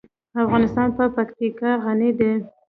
افغانستان په پکتیکا غني دی.